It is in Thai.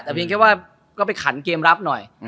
แต่เพียงแค่ว่าก็ไปขันเกมรับหน่อย